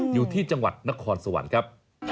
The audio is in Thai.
อยู่ที่จังหวัดนครสวรรค์ครับ